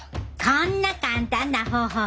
こんな簡単な方法